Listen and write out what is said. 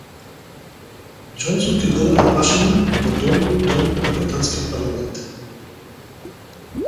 Џонсон ќе одговара на прашања во Долниот дом на британскиот Парламент